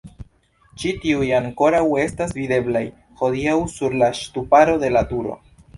Ĉi tiuj ankoraŭ estas videblaj hodiaŭ sur la ŝtuparo de la turo.